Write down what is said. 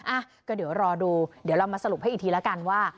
อ่ะก็เดี๋ยวรอดูเดี๋ยวเรามาสรุปให้อีกทีแล้วกันว่า